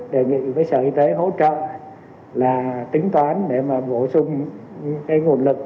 đề nghị với sở y tế hỗ trợ là tính toán để mà bổ sung cái nguồn lực